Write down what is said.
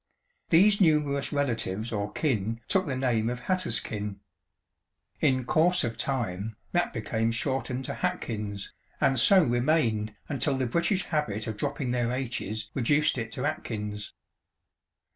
These numerous relatives or kin took the name of Hatterskin. In course of time that became shortened to Hatkins, and so remained until the British habit of dropping their H's reduced it to Atkins.